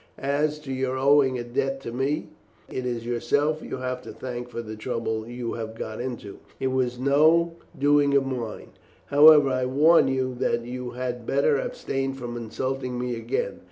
As to your owing a debt to me, it is yourself you have to thank for the trouble you have got into; it was no doing of mine. However, I warn you that you had better abstain from insulting me again.